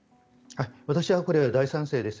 私は大賛成です。